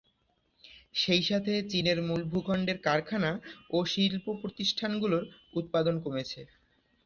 সেই সাথে চীনের মূল-ভূখন্ডের কারখানা ও শিল্প প্রতিষ্ঠানগুলোর উৎপাদন কমেছে।